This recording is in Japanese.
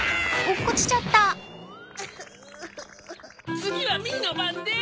つぎはミーのばんです！